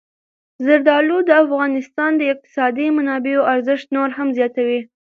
زردالو د افغانستان د اقتصادي منابعو ارزښت نور هم زیاتوي.